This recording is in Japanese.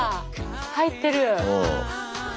入ってる！